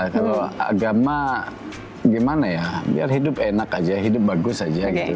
kalau agama gimana ya biar hidup enak aja hidup bagus aja gitu